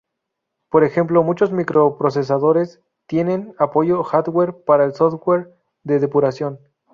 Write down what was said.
Por ejemplo, muchos microprocesadores tienen apoyo hardware para el software de depuración.